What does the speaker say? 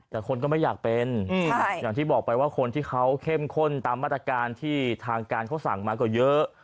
แต่คนก็ไม่อยากเป็นอย่างที่บอกไปว่าคนที่เขาเข้มข้นตามมาตรการที่ทางการเขาสั่งมาก็เยอะ